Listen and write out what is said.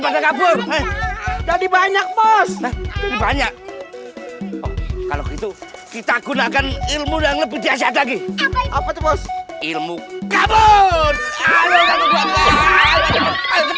ven aby banyak kos hai banyak gitu kita gunakan ilmu yang lebih suggestion peluk ibu kepada